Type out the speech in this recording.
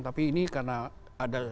tapi ini karena ada